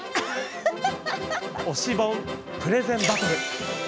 「推し本プレゼンバトル」。